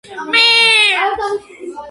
აქტიური საზოგადო მოღვაწე.